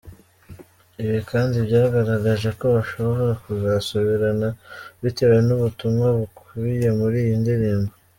Ibi kandi byagaragaje ko bashbora kuzasubirana bitewe n’ubutumwa bukubiye muri iyi ndirimbo.